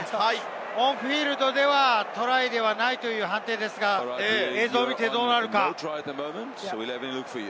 オンフィールドではトライではないという判定ですが、映像を見てどうなるか？